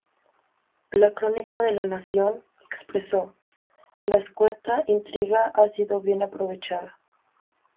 La crónica de "La Nación" expresó: "La escueta intriga ha sido bien aprovechada.